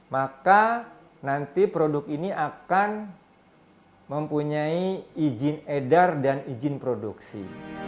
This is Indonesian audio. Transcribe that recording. maka nanti produk ini akan mempunyai izin edar dan izin produksi